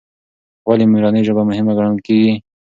ولې مورنۍ ژبه مهمه ګڼل کېږي؟